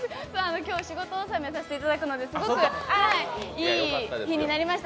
今日仕事納めさせていだくので、すごくいい日になりました。